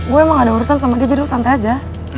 gue emang ada urusan sama dia jadi santai aja